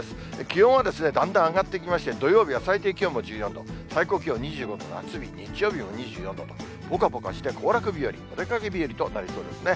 気温はだんだん上がってきまして、土曜日は最低気温も１４度、最高気温２５度の夏日、日曜日も２４度と、ぽかぽかして、行楽日和、お出かけ日和となりそうですね。